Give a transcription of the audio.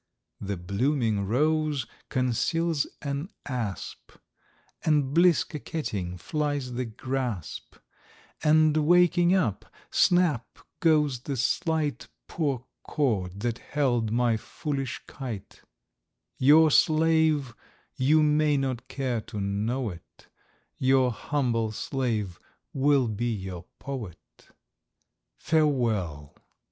The blooming rose conceals an asp, And bliss coquetting flies the grasp: And, waking up, snap goes the slight Poor cord that held my foolish kite,— Your slave, you may not care to know it, Your humble slave will be your Poet. Farewell!